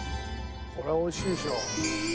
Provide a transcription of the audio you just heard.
「これは美味しいでしょ」